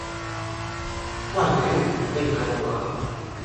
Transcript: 喂頂，你唔係呀嘛？